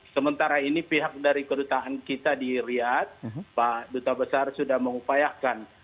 sementara ini pihak dari kedutaan kita di riyad pak duta besar sudah mengupayakan